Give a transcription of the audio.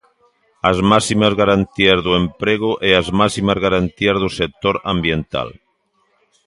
As máximas garantías do emprego e as máximas garantías do sector ambiental.